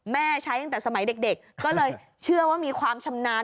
ใช้ตั้งแต่สมัยเด็กก็เลยเชื่อว่ามีความชำนาญ